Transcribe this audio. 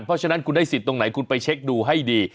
เพราะฉะนั้นคุณได้สิทธิ์ตรงไหนคุณไปเช็คดูให้ดี